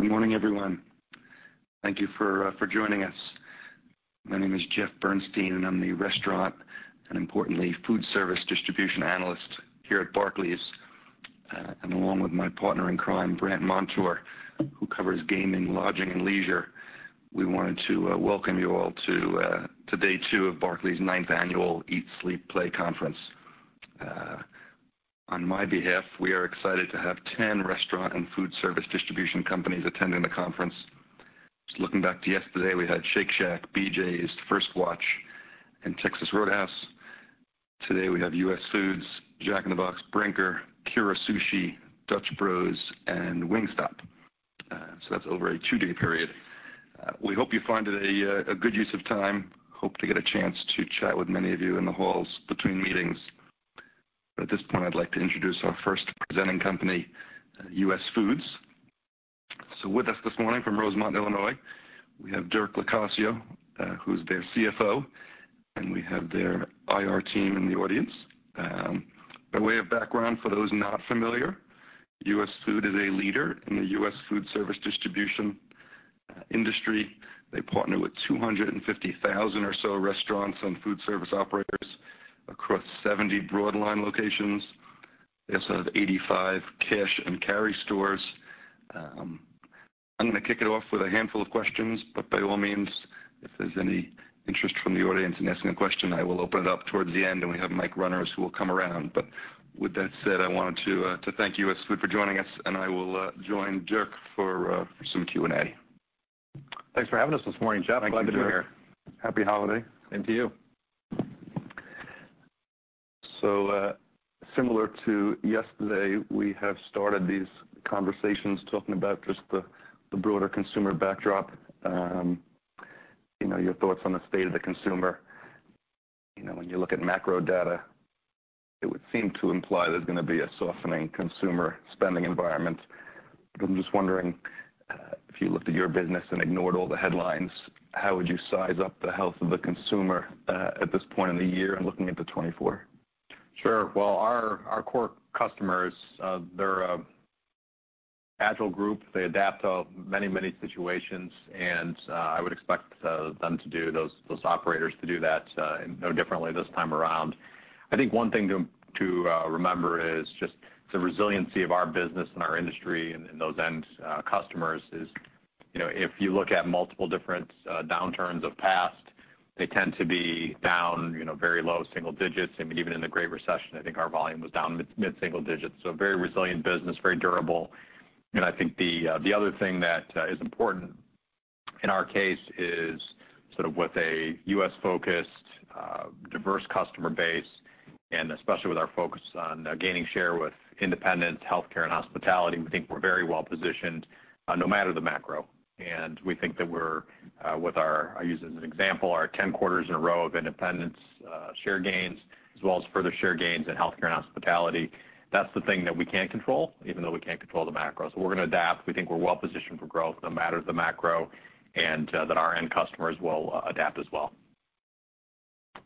Good morning, everyone. Thank you for joining us. My name is Jeff Bernstein, and I'm the restaurant, and importantly, foodservice distribution analyst here at Barclays. And along with my partner in crime, Brandt Montour, who covers gaming, lodging, and leisure, we wanted to welcome you all to day 2 of Barclays ninth annual Eat, Sleep, Play Conference. On my behalf, we are excited to have 10 restaurant and foodservice distribution companies attending the conference. Just looking back to yesterday, we had Shake Shack, BJ's, First Watch, and Texas Roadhouse. Today, we have US Foods, Jack in the Box, Brinker, Kura Sushi, Dutch Bros, and Wingstop. So that's over a 2-day period. We hope you find it a good use of time. Hope to get a chance to chat with many of you in the halls between meetings. But at this point, I'd like to introduce our first presenting company, US Foods. So with us this morning from Rosemont, Illinois, we have Dirk Locascio, who's their CFO, and we have their IR team in the audience. By way of background, for those not familiar, US Foods is a leader in the U.S. foodservice distribution industry. They partner with 250,000 or so restaurants and foodservice operators across 70 broadline locations. They also have 85 cash and carry stores. I'm gonna kick it off with a handful of questions, but by all means, if there's any interest from the audience in asking a question, I will open it up towards the end, and we have mic runners who will come around. But with that said, I wanted to thank you, US Foods, for joining us, and I will join Dirk for some Q&A. Thanks for having us this morning, Jeff. Glad to be here. Thank you, Dirk. Happy holiday. Same to you. So, similar to yesterday, we have started these conversations talking about just the broader consumer backdrop. You know, your thoughts on the state of the consumer. You know, when you look at macro data, it would seem to imply there's gonna be a softening consumer spending environment. But I'm just wondering, if you looked at your business and ignored all the headlines, how would you size up the health of the consumer, at this point in the year and looking into 2024? Sure. Well, our core customers, they're a agile group. They adapt to many, many situations, and I would expect them to do those operators to do that no differently this time around. I think one thing to remember is just the resiliency of our business and our industry and those end customers is, you know, if you look at multiple different downturns of past, they tend to be down, you know, very low single digits. I mean, even in the Great Recession, I think our volume was down mid single digits. So very resilient business, very durable. I think the other thing that is important in our case is sort of with a U.S.-focused, diverse customer base, and especially with our focus on gaining share with independent healthcare and hospitality, we think we're very well positioned, no matter the macro. And we think that we're with our... I use as an example, our 10 quarters in a row of independent share gains, as well as further share gains in healthcare and hospitality. That's the thing that we can control, even though we can't control the macro. So we're gonna adapt. We think we're well positioned for growth, no matter the macro, and that our end customers will adapt as well.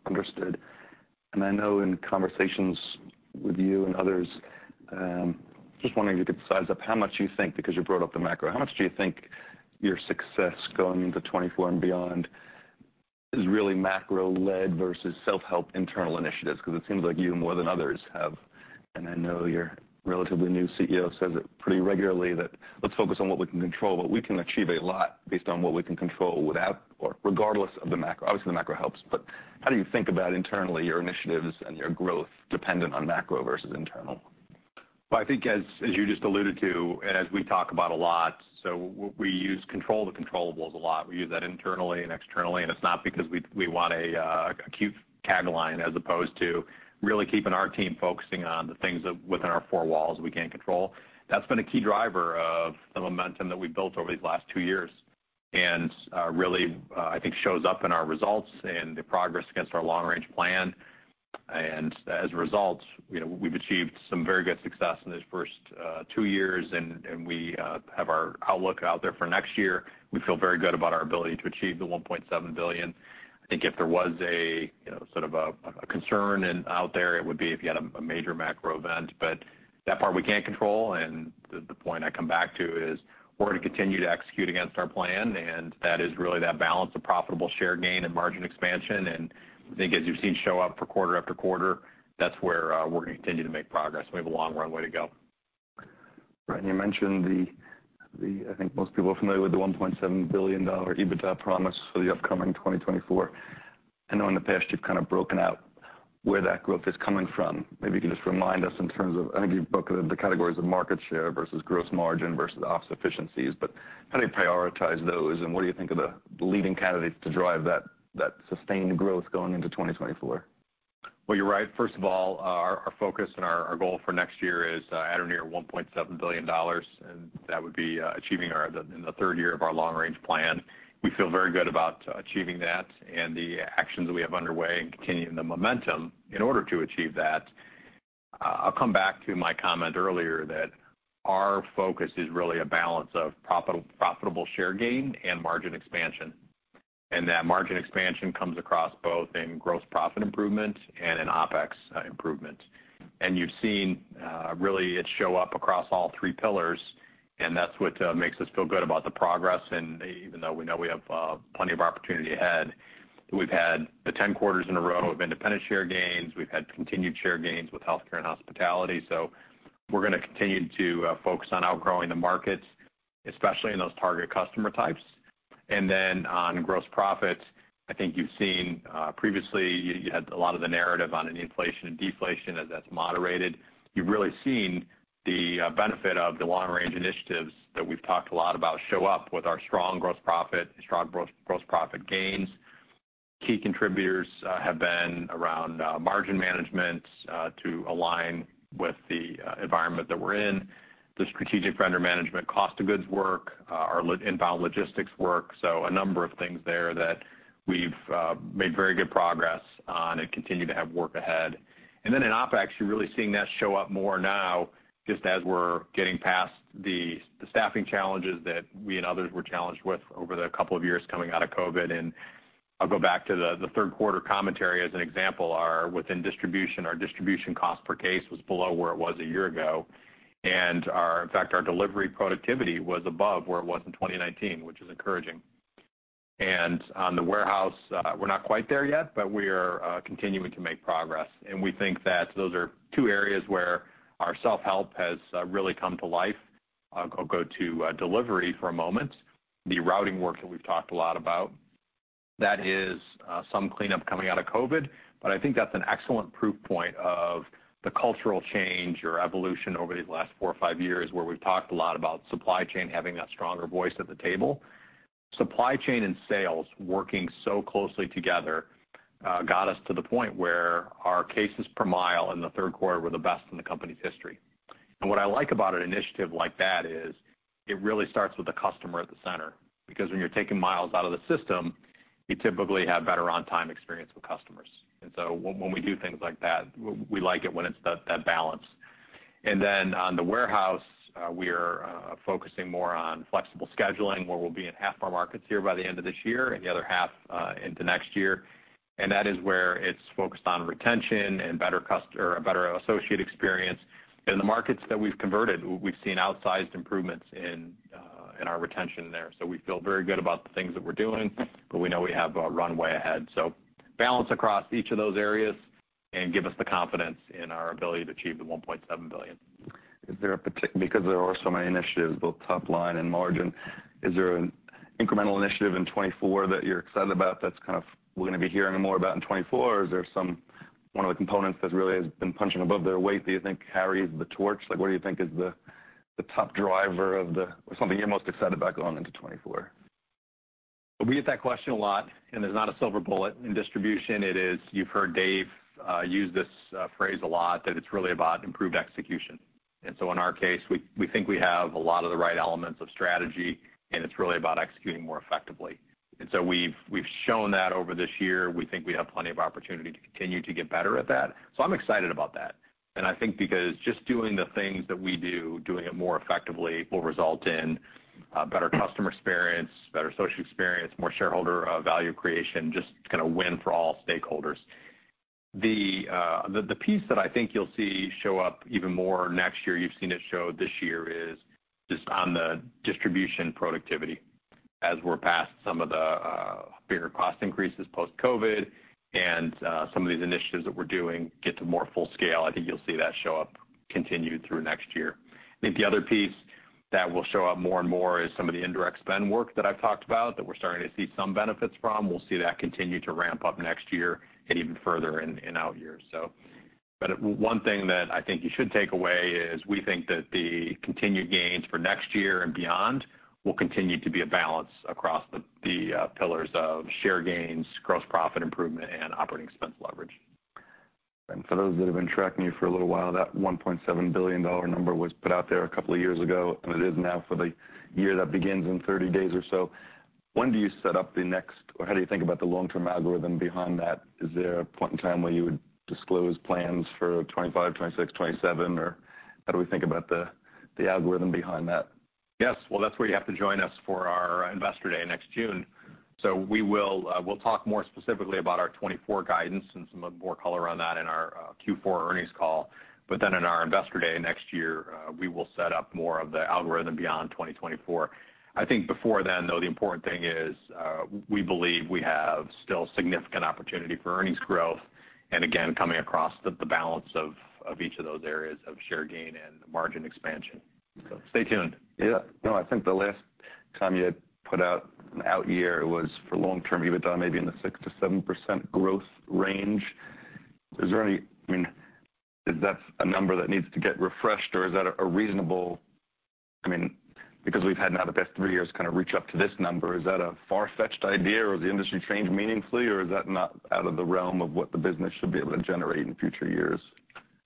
Understood. I know in conversations with you and others, just wondering if you could size up how much you think, because you brought up the macro, how much do you think your success going into 2024 and beyond is really macro-led versus self-help internal initiatives? Because it seems like you, more than others, have, and I know your relatively new CEO says it pretty regularly, that let's focus on what we can control, but we can achieve a lot based on what we can control without or regardless of the macro. Obviously, the macro helps, but how do you think about internally, your initiatives and your growth dependent on macro versus internal? Well, I think as you just alluded to, and as we talk about a lot, so we use control the controllables a lot. We use that internally and externally, and it's not because we want a cute tagline, as opposed to really keeping our team focusing on the things that within our four walls we can control. That's been a key driver of the momentum that we've built over these last two years. And really, I think shows up in our results and the progress against our long-range plan. And as a result, you know, we've achieved some very good success in this first two years, and we have our outlook out there for next year. We feel very good about our ability to achieve the $1.7 billion. I think if there was a, you know, sort of a concern out there, it would be if you had a major macro event. But that part we can't control, and the point I come back to is, we're going to continue to execute against our plan, and that is really that balance of profitable share gain and margin expansion. And I think as you've seen show up for quarter after quarter, that's where we're gonna continue to make progress. We have a long runway to go. Right. And you mentioned the... I think most people are familiar with the $1.7 billion EBITDA promise for the upcoming 2024. I know in the past you've kind of broken out where that growth is coming from. Maybe you can just remind us in terms of, I think you broke the categories of market share versus gross margin versus ops efficiencies, but how do you prioritize those, and what do you think are the leading candidates to drive that sustained growth going into 2024? Well, you're right. First of all, our focus and our goal for next year is at or near $1.7 billion, and that would be achieving our the in the third year of our Long-range plan. We feel very good about achieving that and the actions we have underway and continuing the momentum in order to achieve that. I'll come back to my comment earlier, that our focus is really a balance of profitable share gain and margin expansion, and that margin expansion comes across both in gross profit improvement and in OpEx improvement. And you've seen really it show up across all three pillars, and that's what makes us feel good about the progress. And even though we know we have plenty of opportunity ahead, we've had the 10 quarters in a row of independent share gains. We've had continued share gains with healthcare and hospitality. So we're going to continue to focus on outgrowing the markets, especially in those target customer types. And then on gross profits, I think you've seen previously, you had a lot of the narrative on an inflation and deflation as that's moderated. You've really seen the benefit of the long-range initiatives that we've talked a lot about show up with our strong gross profit, strong gross profit gains. Key contributors have been around margin management to align with the environment that we're in, the strategic vendor management, cost of goods work, our inbound logistics work. So a number of things there that we've made very good progress on and continue to have work ahead. And then in OpEx, you're really seeing that show up more now, just as we're getting past the staffing challenges that we and others were challenged with over the couple of years coming out of COVID. I'll go back to the third quarter commentary as an example. Our within distribution, our distribution cost per case was below where it was a year ago, and our in fact, our delivery productivity was above where it was in 2019, which is encouraging. On the warehouse, we're not quite there yet, but we are continuing to make progress, and we think that those are two areas where our self-help has really come to life. I'll go to delivery for a moment. The routing work that we've talked a lot about, that is some cleanup coming out of COVID, but I think that's an excellent proof point of the cultural change or evolution over these last four or five years, where we've talked a lot about supply chain having that stronger voice at the table. Supply chain and sales working so closely together got us to the point where our cases per mile in the third quarter were the best in the company's history. And what I like about an initiative like that is, it really starts with the customer at the center, because when you're taking miles out of the system, you typically have better on-time experience with customers. And so when we do things like that, we like it when it's that balance. Then on the warehouse, we are focusing more on flexible scheduling, where we'll be in half our markets here by the end of this year and the other half into next year. That is where it's focused on retention and better customer- or a better associate experience. In the markets that we've converted, we've seen outsized improvements in, in our retention there. So we feel very good about the things that we're doing, but we know we have a runway ahead. So balance across each of those areas and give us the confidence in our ability to achieve the $1.7 billion. Is there a particular, because there are so many initiatives, both top line and margin, is there an incremental initiative in 2024 that you're excited about that's kind of we're going to be hearing more about in 2024? Or is there some, one of the components that really has been punching above their weight, do you think carries the torch? Like, what do you think is the, the top driver of the or something you're most excited about going into 2024? We get that question a lot, and there's not a silver bullet. In distribution, it is... You've heard Dave use this phrase a lot, that it's really about improved execution. And so in our case, we think we have a lot of the right elements of strategy, and it's really about executing more effectively. And so we've shown that over this year. We think we have plenty of opportunity to continue to get better at that. So I'm excited about that. And I think because just doing the things that we do, doing it more effectively, will result in better customer experience, better social experience, more shareholder value creation, just kind of win for all stakeholders. The piece that I think you'll see show up even more next year, you've seen it show this year, is just on the distribution productivity. As we're past some of the, bigger cost increases post-COVID and, some of these initiatives that we're doing get to more full scale, I think you'll see that show up continued through next year. I think the other piece that will show up more and more is some of the indirect spend work that I've talked about, that we're starting to see some benefits from. We'll see that continue to ramp up next year and even further in, in out years. So, but one thing that I think you should take away is, we think that the continued gains for next year and beyond will continue to be a balance across the, the, pillars of share gains, gross profit improvement, and operating expense leverage. For those that have been tracking you for a little while, that $1.7 billion number was put out there a couple of years ago, and it is now for the year that begins in 30 days or so. When do you set up the next, or how do you think about the long-term algorithm behind that? Is there a point in time where you would disclose plans for 2025, 2026, 2027? Or how do we think about the algorithm behind that? Yes. Well, that's where you have to join us for our Investor Day next June. So we will, we'll talk more specifically about our 2024 guidance and some more color on that in our, Q4 earnings call. But then in our Investor Day next year, we will set up more of the algorithm beyond 2024. I think before then, though, the important thing is, we believe we have still significant opportunity for earnings growth, and again, coming across the, the balance of, of each of those areas of share gain and margin expansion. So stay tuned. Yeah. No, I think the last time you had put out an out-year, it was for long-term, you had done maybe in the 6%-7% growth range. Is there any— I mean, is that a number that needs to get refreshed, or is that a reasonable... I mean, because we've had now the past 3 years kind of reach up to this number, is that a far-fetched idea, or has the industry changed meaningfully, or is that not out of the realm of what the business should be able to generate in future years?...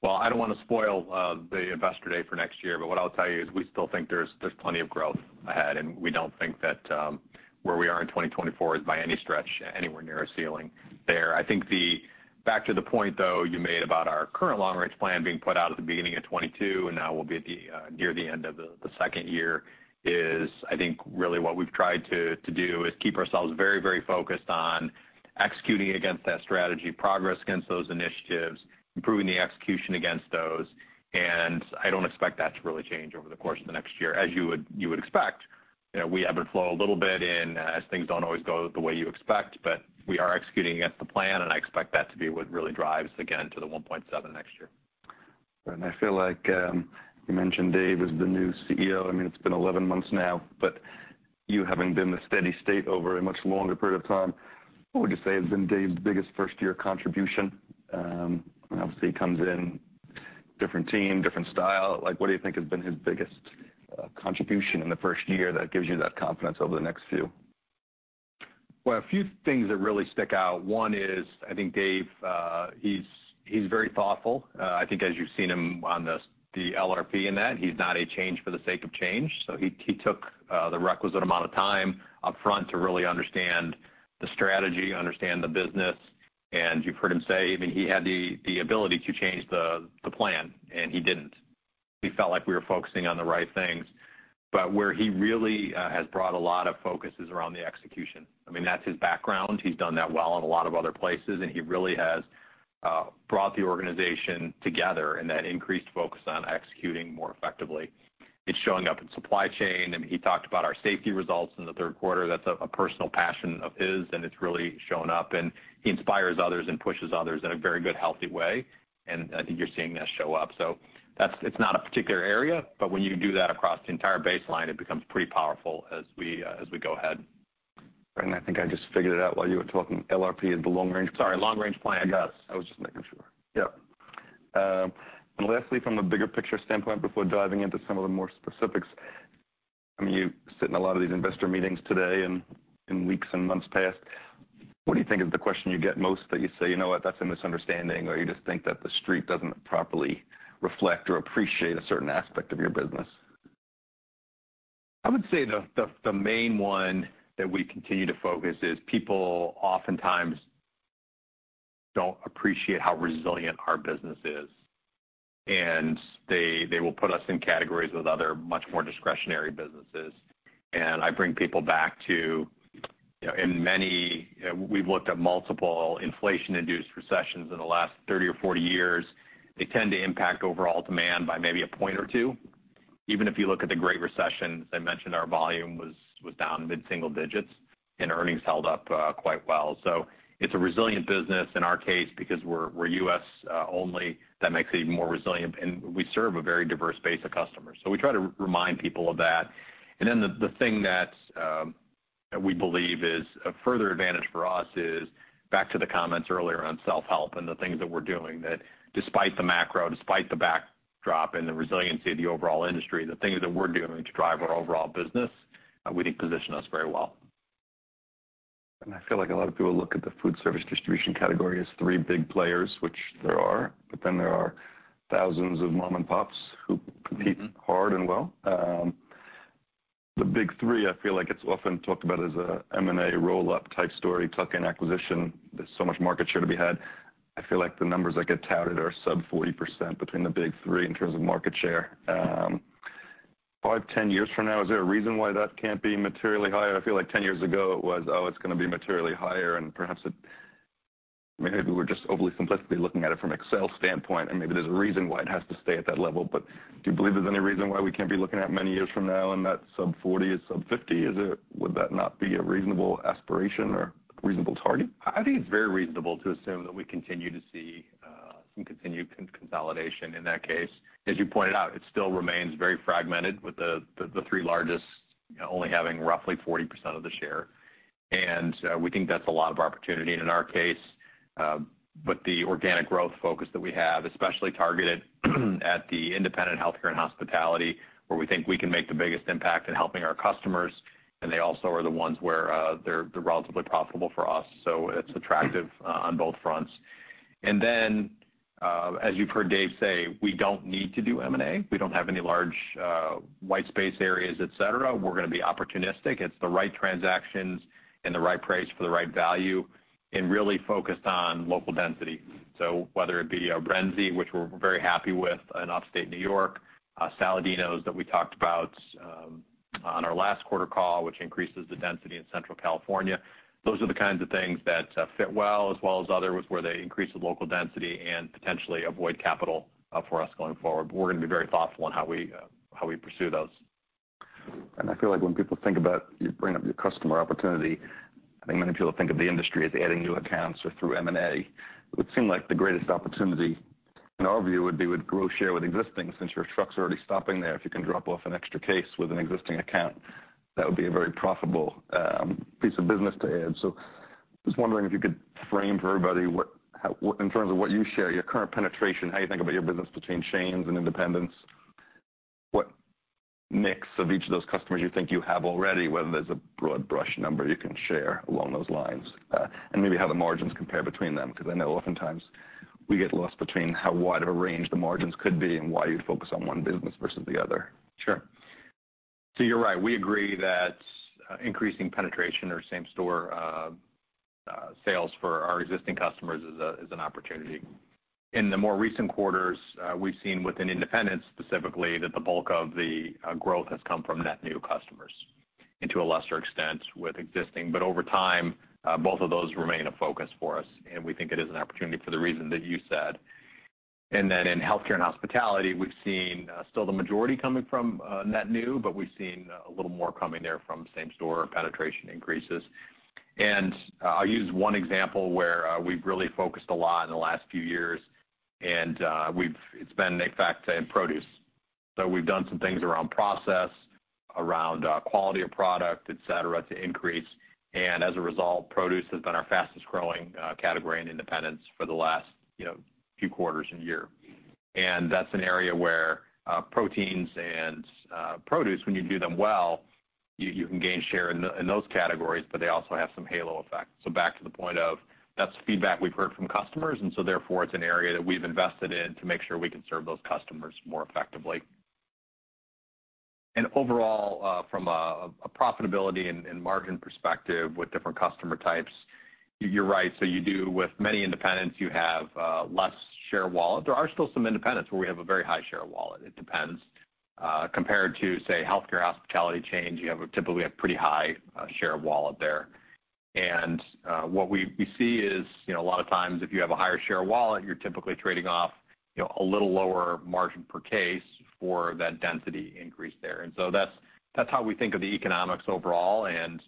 Well, I don't wanna spoil the Investor Day for next year, but what I'll tell you is we still think there's plenty of growth ahead, and we don't think that where we are in 2024 is by any stretch anywhere near a ceiling there. I think back to the point, though, you made about our current long-range plan being put out at the beginning of 2022, and now we'll be at the near the end of the second year is, I think, really what we've tried to do, is keep ourselves very, very focused on executing against that strategy, progress against those initiatives, improving the execution against those. And I don't expect that to really change over the course of the next year. As you would expect, you know, we ebb and flow a little bit as things don't always go the way you expect, but we are executing against the plan, and I expect that to be what really drives again to the $1.7 next year. I feel like, you mentioned Dave as the new CEO. I mean, it's been 11 months now, but you having been the steady state over a much longer period of time, what would you say has been Dave's biggest first-year contribution? Obviously, he comes in different team, different style. Like, what do you think has been his biggest contribution in the first year that gives you that confidence over the next few? Well, a few things that really stick out. One is, I think Dave, he's very thoughtful. I think as you've seen him on this, the LRP and that, he's not a change for the sake of change, so he took the requisite amount of time upfront to really understand the strategy, understand the business, and you've heard him say, I mean, he had the ability to change the plan, and he didn't. He felt like we were focusing on the right things, but where he really has brought a lot of focus is around the execution. I mean, that's his background. He's done that well in a lot of other places, and he really has brought the organization together, and that increased focus on executing more effectively. It's showing up in supply chain. I mean, he talked about our safety results in the third quarter. That's a, a personal passion of his, and it's really shown up, and he inspires others and pushes others in a very good, healthy way, and I think you're seeing that show up. So that's—it's not a particular area, but when you do that across the entire baseline, it becomes pretty powerful as we, as we go ahead. I think I just figured it out while you were talking. LRP is the long-range... Sorry, long-range plan. Yes. I was just making sure. Yep. And lastly, from a bigger picture standpoint, before diving into some of the more specifics, I mean, you sit in a lot of these investor meetings today and in weeks and months past, what do you think is the question you get most that you say, "You know what? That's a misunderstanding," or you just think that the street doesn't properly reflect or appreciate a certain aspect of your business? I would say the main one that we continue to focus is, people oftentimes don't appreciate how resilient our business is, and they will put us in categories with other much more discretionary businesses. I bring people back to, you know, in many. We've looked at multiple inflation-induced recessions in the last 30 or 40 years. They tend to impact overall demand by maybe a point or 2. Even if you look at the Great Recession, as I mentioned, our volume was down mid-single digits, and earnings held up quite well. So it's a resilient business in our case, because we're U.S.-only, that makes it even more resilient, and we serve a very diverse base of customers. So we try to remind people of that. Then the thing that we believe is a further advantage for us is back to the comments earlier on self-help and the things that we're doing that despite the macro, despite the backdrop and the resiliency of the overall industry, the things that we're doing to drive our overall business. We think position us very well. I feel like a lot of people look at the food service distribution category as three big players, which there are, but then there are thousands of mom-and-pops who compete- Mm-hmm. hard and well. The big three, I feel like it's often talked about as a M&A roll-up type story, tuck-in acquisition. There's so much market share to be had. I feel like the numbers that get touted are sub 40% between the big three in terms of market share. Five, 10 years from now, is there a reason why that can't be materially higher? I feel like 10 years ago it was, "Oh, it's gonna be materially higher," and perhaps it, maybe we're just overly simplistically looking at it from Excel standpoint, and maybe there's a reason why it has to stay at that level. But do you believe there's any reason why we can't be looking at many years from now and that sub 40% is sub 50%? Is it, would that not be a reasonable aspiration or reasonable target? I think it's very reasonable to assume that we continue to see some continued consolidation in that case. As you pointed out, it still remains very fragmented with the three largest only having roughly 40% of the share. We think that's a lot of opportunity. In our case, with the organic growth focus that we have, especially targeted at the independent healthcare and hospitality, where we think we can make the biggest impact in helping our customers, and they also are the ones where they're relatively profitable for us, so it's attractive on both fronts. Then, as you've heard Dave say, we don't need to do M&A. We don't have any large white space areas, et cetera. We're gonna be opportunistic. It's the right transactions and the right price for the right value and really focused on local density. So whether it be a Renzi, which we're very happy with in upstate New York, Saladino's that we talked about on our last quarter call, which increases the density in Central California. Those are the kinds of things that fit well, as well as others, where they increase the local density and potentially avoid capital for us going forward. But we're gonna be very thoughtful in how we pursue those. And I feel like when people think about, you bring up your customer opportunity, I think many people think of the industry as adding new accounts or through M&A. It would seem like the greatest opportunity, in our view, would be with grow share with existing, since your trucks are already stopping there. If you can drop off an extra case with an existing account, that would be a very profitable, piece of business to add. So just wondering if you could frame for everybody what, how, in terms of what you share, your current penetration, how you think about your business between chains and independents? What mix of each of those customers you think you have already, whether there's a broad brush number you can share along those lines, and maybe how the margins compare between them. Because I know oftentimes, we get lost between how wide of a range the margins could be and why you'd focus on one business versus the other. Sure. So you're right. We agree that increasing penetration or same-store sales for our existing customers is an opportunity. In the more recent quarters, we've seen with an independent, specifically, that the bulk of the growth has come from net new customers, and to a lesser extent, with existing. But over time, both of those remain a focus for us, and we think it is an opportunity for the reason that you said. And then in healthcare and hospitality, we've seen still the majority coming from net new, but we've seen a little more coming there from same-store penetration increases. And I'll use one example where we've really focused a lot in the last few years, and we've. It's been, in fact, in produce. So we've done some things around process, around quality of product, et cetera, to increase. And as a result, produce has been our fastest growing category in independents for the last, you know, few quarters and year. And that's an area where proteins and produce, when you do them well, you can gain share in those categories, but they also have some halo effect. So back to the point, that's feedback we've heard from customers, and so therefore, it's an area that we've invested in to make sure we can serve those customers more effectively. And overall, from a profitability and margin perspective with different customer types, you're right. So you do with many independents, you have less share of wallet. There are still some independents where we have a very high share of wallet. It depends. Compared to, say, healthcare, hospitality chains, you have typically a pretty high share of wallet there. And what we see is, you know, a lot of times if you have a higher share of wallet, you're typically trading off, you know, a little lower margin per case for that density increase there. And so that's how we think of the economics overall, and,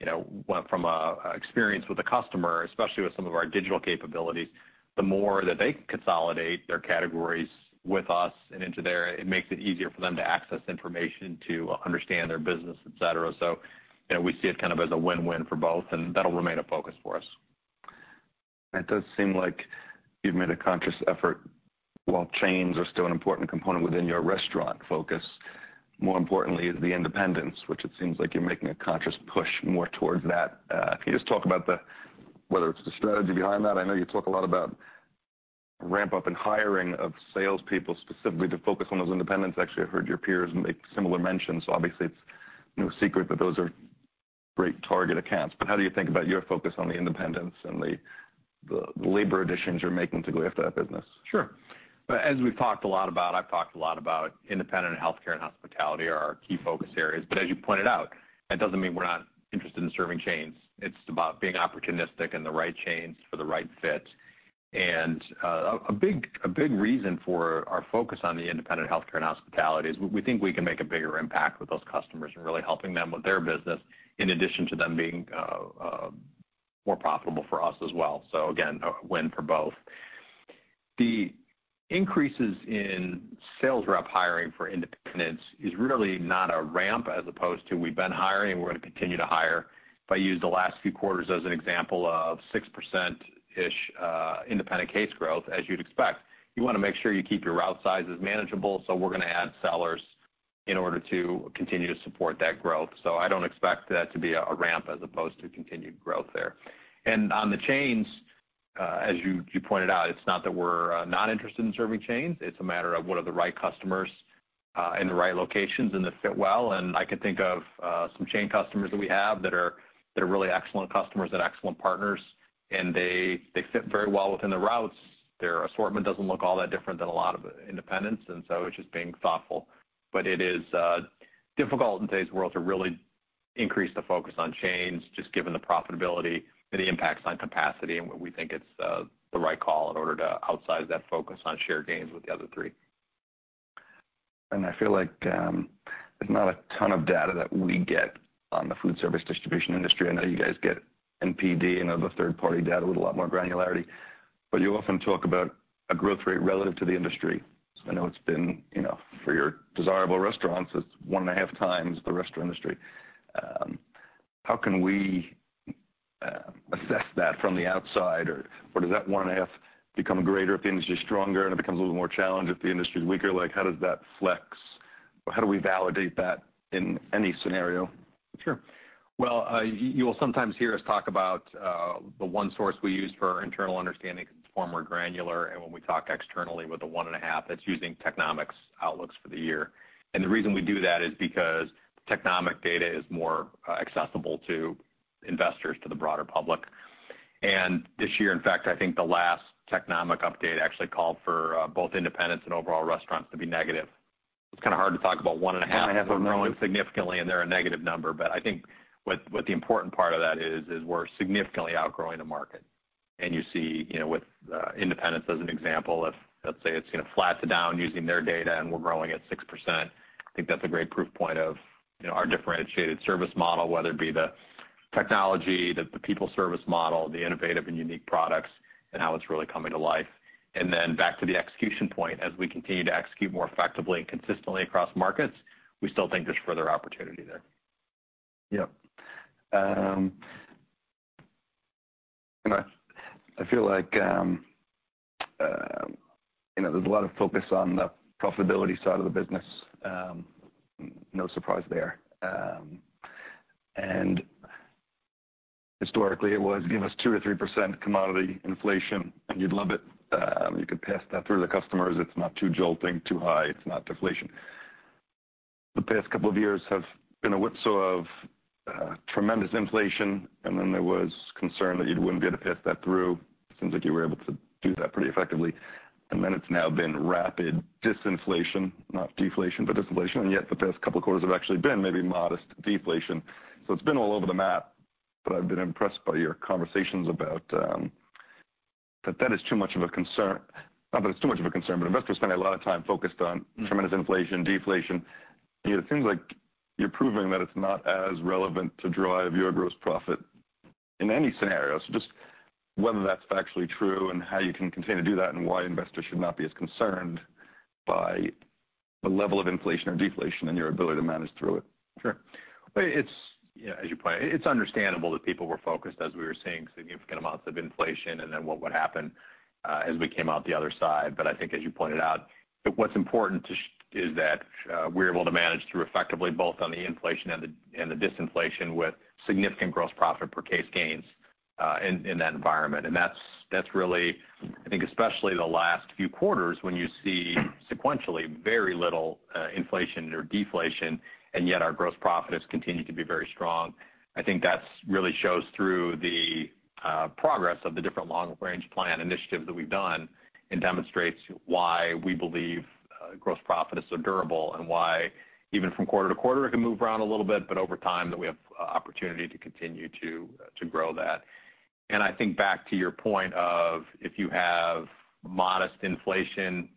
you know, what from a experience with the customer, especially with some of our digital capabilities, the more that they consolidate their categories with us and into there, it makes it easier for them to access information to understand their business, et cetera. So, you know, we see it kind of as a win-win for both, and that'll remain a focus for us. It does seem like you've made a conscious effort. While chains are still an important component within your restaurant focus, more importantly, is the independence, which it seems like you're making a conscious push more towards that. Can you just talk about whether it's the strategy behind that? I know you talk a lot about ramp up and hiring of salespeople, specifically to focus on those independents. Actually, I've heard your peers make similar mentions. So obviously, it's no secret that those are great target accounts. But how do you think about your focus on the independents and the labor additions you're making to go after that business? Sure. As we've talked a lot about, I've talked a lot about independent healthcare and hospitality are our key focus areas. But as you pointed out, that doesn't mean we're not interested in serving chains. It's about being opportunistic in the right chains for the right fit. And a big reason for our focus on the independent healthcare and hospitality is we think we can make a bigger impact with those customers and really helping them with their business, in addition to them being more profitable for us as well. So again, a win for both. The increases in sales rep hiring for independents is really not a ramp, as opposed to we've been hiring, we're gonna continue to hire. If I use the last few quarters as an example of 6%-ish independent case growth, as you'd expect, you wanna make sure you keep your route sizes manageable, so we're gonna add sellers in order to continue to support that growth. So I don't expect that to be a ramp as opposed to continued growth there. And on the chains, as you pointed out, it's not that we're not interested in serving chains, it's a matter of what are the right customers and the right locations, and they fit well. And I can think of some chain customers that we have that are really excellent customers and excellent partners, and they fit very well within the routes. Their assortment doesn't look all that different than a lot of independents, and so it's just being thoughtful. But it is difficult in today's world to really increase the focus on chains, just given the profitability and the impacts on capacity, and we think it's the right call in order to outsize that focus on share gains with the other three. I feel like, there's not a ton of data that we get on the food service distribution industry. I know you guys get NPD and other third-party data with a lot more granularity, but you often talk about a growth rate relative to the industry. So I know it's been, you know, for your desirable restaurants, it's 1.5 times the restaurant industry. How can we assess that from the outside? Or, or does that 1.5 become greater if the industry is stronger and it becomes a little more challenged, if the industry is weaker? Like, how does that flex? Or how do we validate that in any scenario? Sure. Well, you will sometimes hear us talk about the one source we use for our internal understanding; it's far more granular. And when we talk externally with the 1.5, that's using Technomic's outlooks for the year. And the reason we do that is because Technomic data is more accessible to investors, to the broader public. And this year, in fact, I think the last Technomic update actually called for both independents and overall restaurants to be negative. It's kind of hard to talk about 1.5- 1.5- Growing significantly, and they're a negative number. But I think what, what the important part of that is, is we're significantly outgrowing the market. And you see, you know, with independents as an example, if, let's say, it's, you know, flat to down using their data, and we're growing at 6%, I think that's a great proof point of, you know, our differentiated service model, whether it be the technology, the, the people service model, the innovative and unique products, and how it's really coming to life. And then back to the execution point, as we continue to execute more effectively and consistently across markets, we still think there's further opportunity there. Yep. You know, I feel like, you know, there's a lot of focus on the profitability side of the business. No surprise there. And historically, it was, give us 2% or 3% commodity inflation, and you'd love it. You could pass that through to the customers. It's not too jolting, too high, it's not deflation. The past couple of years have been a whirlwind of tremendous inflation, and then there was concern that you wouldn't be able to pass that through. Seems like you were able to do that pretty effectively. And then it's now been rapid disinflation, not deflation, but disinflation, and yet the past couple of quarters have actually been maybe modest deflation. So it's been all over the map, but I've been impressed by your conversations about that that is too much of a concern. Not that it's too much of a concern, but investors spend a lot of time focused on tremendous inflation, deflation. You know, it seems like you're proving that it's not as relevant to drive your gross profit in any scenario. So just whether that's factually true and how you can continue to do that, and why investors should not be as concerned by the level of inflation or deflation and your ability to manage through it? Sure. Well, it's, you know, as you pointed, it's understandable that people were focused as we were seeing significant amounts of inflation and then what would happen as we came out the other side. But I think as you pointed out, what's important is that we're able to manage through effectively, both on the inflation and the disinflation, with significant gross profit per case gains in that environment. And that's really, I think, especially the last few quarters, when you see sequentially very little inflation or deflation, and yet our gross profit has continued to be very strong. I think that's really shows through the progress of the different long-range plan initiatives that we've done and demonstrates why we believe gross profit is so durable, and why, even from quarter to quarter, it can move around a little bit, but over time, that we have opportunity to continue to grow that. And I think back to your point of, if you have modest inflation,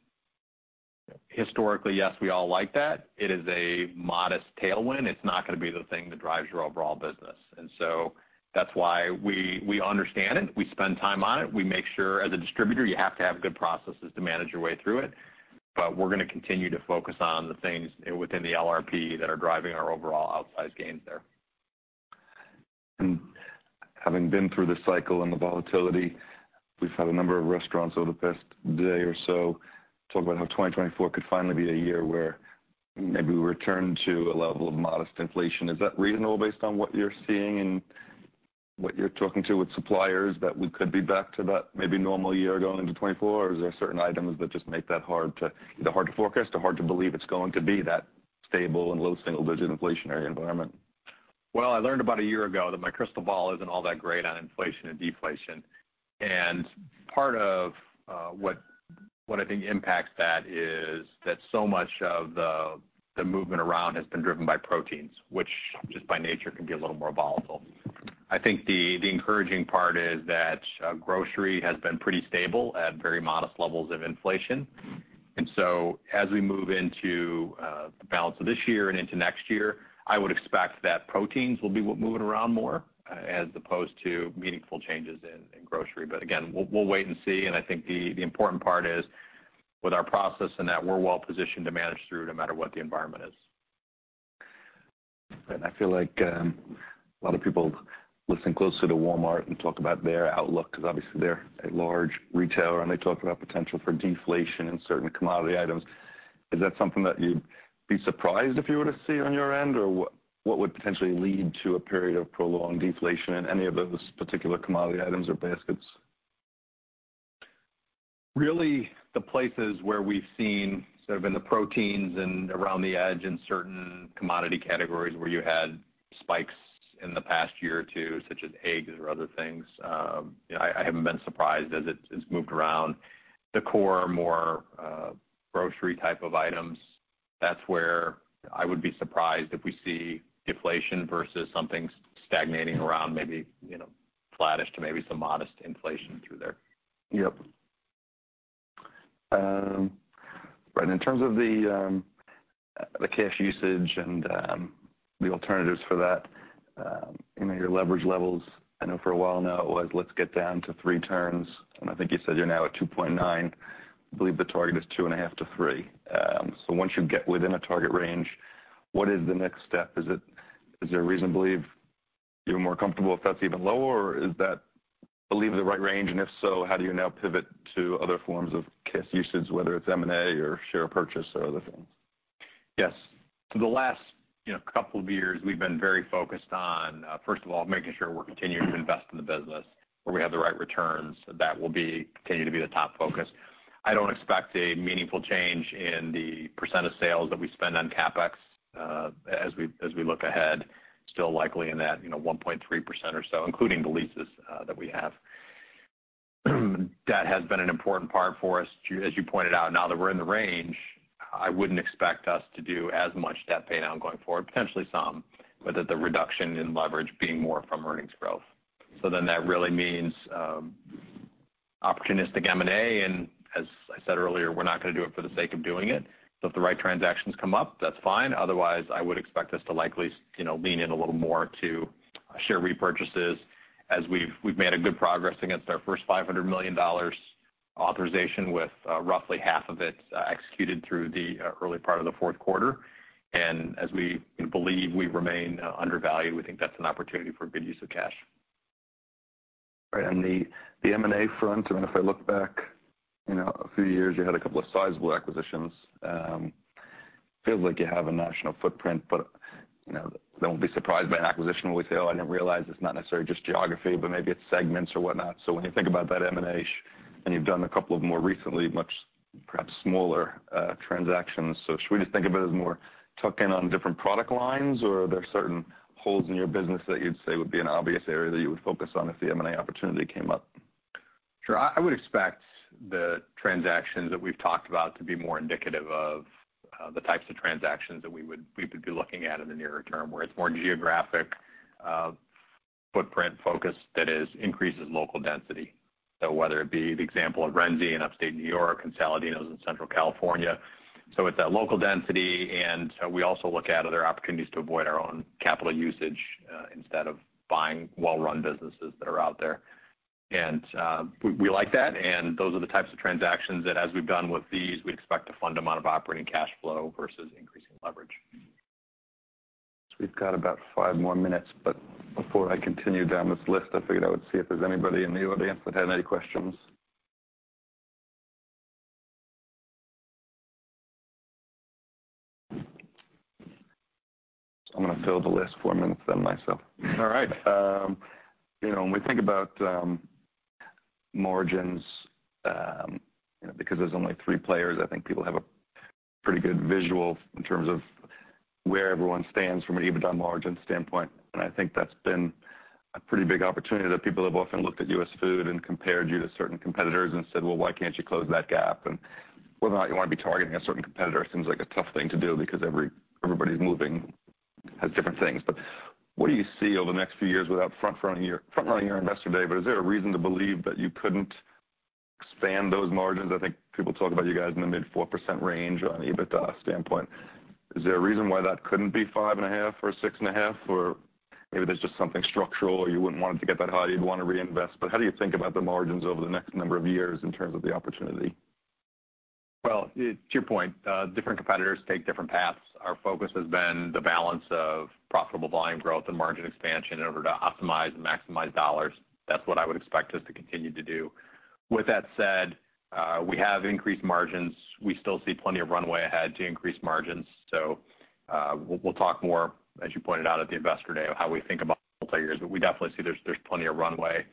historically, yes, we all like that. It is a modest tailwind. It's not gonna be the thing that drives your overall business. And so that's why we understand it, we spend time on it, we make sure as a distributor, you have to have good processes to manage your way through it. But we're gonna continue to focus on the things within the LRP that are driving our overall outsized gains there. Having been through this cycle and the volatility, we've had a number of restaurants over the past day or so talk about how 2024 could finally be a year where maybe we return to a level of modest inflation. Is that reasonable, based on what you're seeing and what you're talking to with suppliers, that we could be back to that maybe normal year going into 2024? Or are there certain items that just make that hard to, either hard to forecast or hard to believe it's going to be that stable and low single-digit inflationary environment? Well, I learned about a year ago that my crystal ball isn't all that great on inflation and deflation. And part of what I think impacts that is that so much of the movement around has been driven by proteins, which just by nature, can be a little more volatile. I think the encouraging part is that grocery has been pretty stable at very modest levels of inflation. And so as we move into the balance of this year and into next year, I would expect that proteins will be what moving around more, as opposed to meaningful changes in grocery. But again, we'll wait and see, and I think the important part is, with our process and that, we're well positioned to manage through, no matter what the environment is. I feel like, a lot of people listen closely to Walmart and talk about their outlook, because obviously they're a large retailer, and they talk about potential for deflation in certain commodity items. Is that something that you'd be surprised if you were to see on your end? Or what would potentially lead to a period of prolonged deflation in any of those particular commodity items or baskets? Really, the places where we've seen sort of in the proteins and around the edge in certain commodity categories, where you had spikes in the past year or two, such as eggs or other things, you know, I haven't been surprised as it's moved around. The core, more, grocery type of items, that's where I would be surprised if we see deflation versus something stagnating around maybe, you know, flattish to maybe some modest inflation through there. Yep. Right, and in terms of the cash usage and the alternatives for that, you know, your leverage levels, I know for a while now it was, "Let's get down to 3 turns," and I think you said you're now at 2.9. I believe the target is 2.5-3. So once you get within a target range, what is the next step? Is it- is there a reason to believe you're more comfortable if that's even lower, or is that, I believe, the right range, and if so, how do you now pivot to other forms of cash usage, whether it's M&A or share purchase or other things? Yes. So the last, you know, couple of years, we've been very focused on, first of all, making sure we're continuing to invest in the business, where we have the right returns. That will be, continue to be the top focus. I don't expect a meaningful change in the percent of sales that we spend on CapEx, as we, as we look ahead. Still likely in that, you know, 1.3% or so, including the leases, that we have. That has been an important part for us. As you pointed out, now that we're in the range, I wouldn't expect us to do as much debt pay down going forward. Potentially some, but that the reduction in leverage being more from earnings growth. So then that really means, opportunistic M&A, and as I said earlier, we're not gonna do it for the sake of doing it. So if the right transactions come up, that's fine. Otherwise, I would expect us to likely, you know, lean in a little more to share repurchases as we've made a good progress against our first $500 million authorization with roughly $250 million of it executed through the early part of the fourth quarter. And as we believe, we remain undervalued, we think that's an opportunity for good use of cash. Right, and the M&A front, I mean, if I look back, you know, a few years, you had a couple of sizable acquisitions. Feels like you have a national footprint, but, you know, they won't be surprised by an acquisition where we say, "Oh, I didn't realize it's not necessarily just geography, but maybe it's segments or whatnot." So when you think about that M&A, and you've done a couple of more recently, much perhaps smaller, transactions, so should we just think of it as more tuck in on different product lines, or are there certain holes in your business that you'd say would be an obvious area that you would focus on if the M&A opportunity came up? Sure. I would expect the transactions that we've talked about to be more indicative of the types of transactions that we would be looking at in the nearer term, where it's more geographic footprint focus that is increases local density. So whether it be the example of Renzi in Upstate New York and Saladino's in Central California. So it's that local density, and we also look at other opportunities to avoid our own capital usage instead of buying well-run businesses that are out there. And we like that, and those are the types of transactions that, as we've done with these, we expect to fund them out of operating cash flow versus increasing leverage. We've got about five more minutes, but before I continue down this list, I figured I would see if there's anybody in the audience that had any questions. I'm gonna fill the list for a minute then myself. All right. You know, when we think about margins, you know, because there's only three players, I think people have a pretty good visual in terms of where everyone stands from an EBITDA margin standpoint. And I think that's been a pretty big opportunity that people have often looked at US Foods and compared you to certain competitors and said, "Well, why can't you close that gap?" And whether or not you want to be targeting a certain competitor, seems like a tough thing to do because everybody's moving, has different things. But what do you see over the next few years without front-running your-- front-running your Investor Day? But is there a reason to believe that you couldn't expand those margins? I think people talk about you guys in the mid-4% range on an EBITDA standpoint. Is there a reason why that couldn't be 5.5% or 6.5%? Or maybe there's just something structural, or you wouldn't want it to get that high, you'd want to reinvest. But how do you think about the margins over the next number of years in terms of the opportunity? Well, to your point, different competitors take different paths. Our focus has been the balance of profitable volume growth and margin expansion in order to optimize and maximize dollars. That's what I would expect us to continue to do. With that said, we have increased margins. We still see plenty of runway ahead to increase margins, so, we'll talk more, as you pointed out, at the Investor Day, of how we think about multiple years, but we definitely see there's plenty of runway.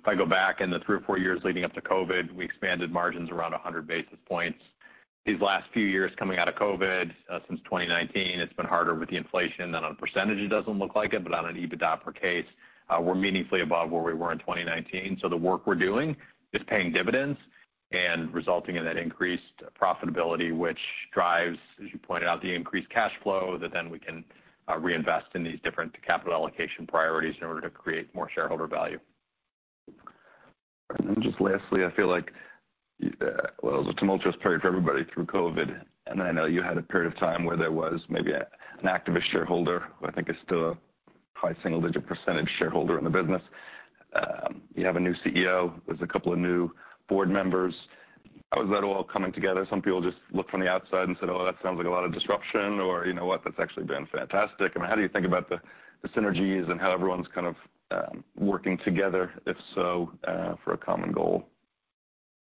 If I go back in the 3 or 4 years leading up to COVID, we expanded margins around 100 basis points. These last few years, coming out of COVID, since 2019, it's been harder with the inflation, and on a percentage, it doesn't look like it, but on an EBITDA per case, we're meaningfully above where we were in 2019. So the work we're doing is paying dividends and resulting in that increased profitability, which drives, as you pointed out, the increased cash flow, that then we can, reinvest in these different capital allocation priorities in order to create more shareholder value. And then, just lastly, I feel like, well, it was a tumultuous period for everybody through COVID, and I know you had a period of time where there was maybe a, an activist shareholder, who I think is still a high single-digit % shareholder in the business. You have a new CEO. There's a couple of new board members. How is that all coming together? Some people just look from the outside and said, "Oh, that sounds like a lot of disruption," or, "You know what? That's actually been fantastic." I mean, how do you think about the synergies and how everyone's kind of working together, if so, for a common goal?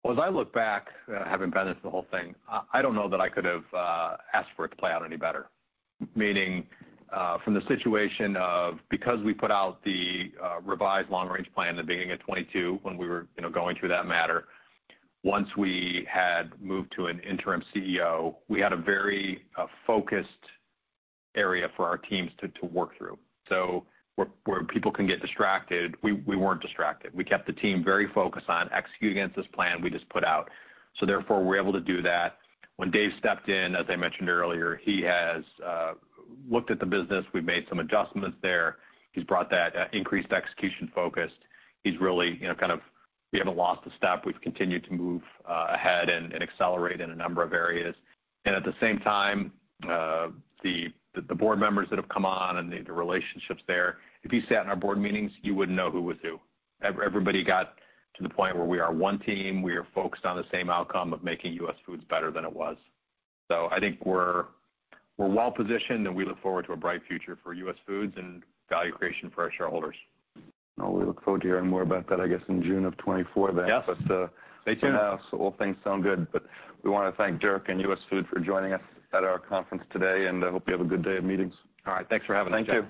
Well, as I look back, having been through the whole thing, I, I don't know that I could have asked for it to play out any better. Meaning, from the situation of... Because we put out the revised long-range plan in the beginning of 2022, when we were, you know, going through that matter, once we had moved to an interim CEO, we had a very focused area for our teams to, to work through. So where, where people can get distracted, we, we weren't distracted. We kept the team very focused on executing against this plan we just put out. So therefore, we're able to do that. When Dave stepped in, as I mentioned earlier, he has looked at the business. We've made some adjustments there. He's brought that increased execution focus. He's really, you know, kind of, we haven't lost a step. We've continued to move ahead and accelerate in a number of areas. And at the same time, the board members that have come on and the relationships there, if you sat in our board meetings, you wouldn't know who was who. Everybody got to the point where we are one team. We are focused on the same outcome of making US Foods better than it was. So I think we're well-positioned, and we look forward to a bright future for US Foods and value creation for our shareholders. Well, we look forward to hearing more about that, I guess, in June of 2024 then. Yes. Stay tuned. So far, all things sound good. We want to thank Dirk and US Foods for joining us at our conference today, and I hope you have a good day of meetings. All right. Thanks for having us, Jeff.